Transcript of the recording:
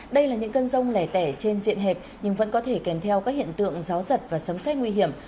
đây là những cơn rông lẻ tẻ trên diện hẹp nhưng vẫn có thể kèm theo các hiện tượng gió giật và sấm xét nguy hiểm